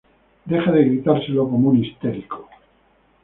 deja de gritárselo como un histérico